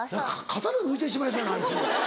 刀抜いてしまいそうやなあいつ。